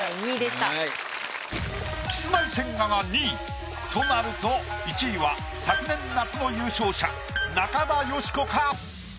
キスマイ千賀が２位。となると１位は昨年夏の優勝者中田喜子か？